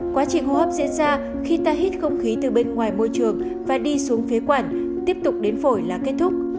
quá trình hô hấp diễn ra khi ta hít không khí từ bên ngoài môi trường và đi xuống phế quản tiếp tục đến phổi là kết thúc